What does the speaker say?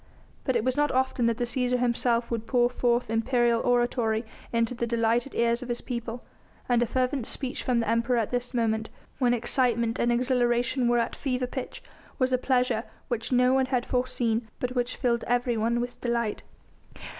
But it was not often that the Cæsar himself would pour forth imperial oratory into the delighted ears of his people, and a fervent speech from the Emperor at this moment, when excitement and exhilaration were at fever pitch, was a pleasure which no one had foreseen but which filled everyone with delight.